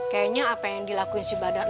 kayanya apa yang dilakuin si badak lu tuh